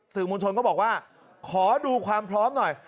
สื่อมวลชนก็บอกว่าขอดูความพร้อมหน่อย